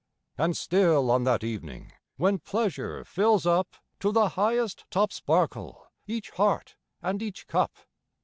And still on that evening, when pleasure fills up ID To the highest top sparkle each heart and each cup.